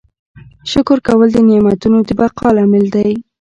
شکر کول د نعمتونو د بقا لامل دی.